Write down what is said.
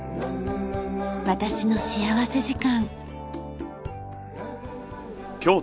『私の幸福時間』。